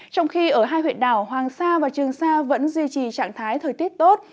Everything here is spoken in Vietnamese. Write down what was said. trong khi ở hai huyện đảo hoàng sa và trường sa vẫn duy trì trạng thái thời tiết tốt